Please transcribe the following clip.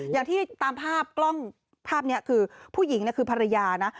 อย่างที่ตามภาพกล้องภาพนี้คือผู้หญิงคือภรรยานะ